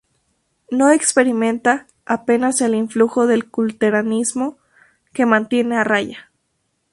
No experimenta apenas el influjo del culteranismo, que mantiene a raya.